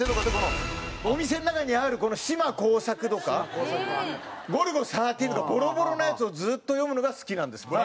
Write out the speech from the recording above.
お店の中にある『島耕作』とか『ゴルゴ１３』とかボロボロなやつをずっと読むのが好きなんです。